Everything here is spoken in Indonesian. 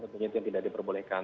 tentunya itu tidak diperbolehkan